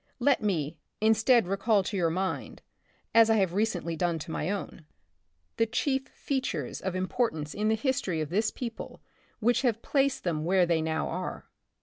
Let me, instead recall to your mind, as I have recently done to my own, the chief features of importance in the history of this people which have placed them where they now are.